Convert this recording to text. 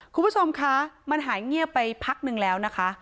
คุณผู้ชมคะมันหายเงียบไปพักหนึ่งแล้วนะคะ